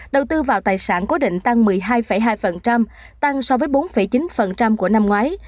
đầu tư vào tài sản cố định tăng một mươi hai hai tăng so với bốn chín của năm ngoái